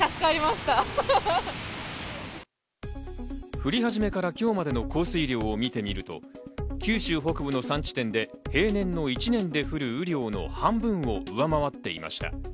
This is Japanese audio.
降り始めから今日までの降水量を見てみると九州北部の３地点で平年の１年で降る雨量の半分を上回っていました。